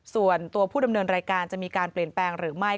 ส่วนตัวผู้ดำเนินรายการจะมีการเปลี่ยนแปลงหรือไม่